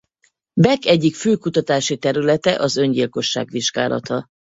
Beck egyik fő kutatási területe az öngyilkosság vizsgálata.